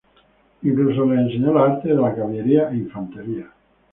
Incluso les enseñó las artes de la caballería e infantería.